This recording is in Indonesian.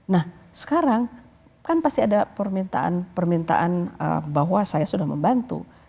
nah sekarang kan pasti ada permintaan permintaan bahwa saya sudah membantu